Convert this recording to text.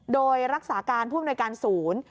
โดยรักษาการผู้อำนวยการศูนย์